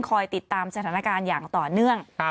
ติดตามสถานการณ์อย่างต่อเนื่อง